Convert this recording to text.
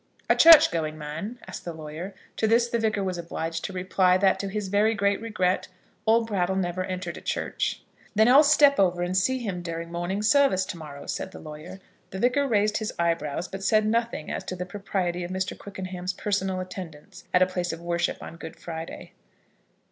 "A church going man?" asked the lawyer. To this the Vicar was obliged to reply that, to his very great regret, old Brattle never entered a church. "Then I'll step over and see him during morning service to morrow," said the lawyer. The Vicar raised his eyebrows, but said nothing as to the propriety of Mr. Quickenham's personal attendance at a place of worship on Good Friday.